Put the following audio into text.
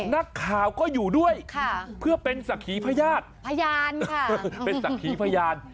นักข่าวก็อยู่ด้วยเพื่อเป็นสักขีพญาติเป็นสักขีพญาติ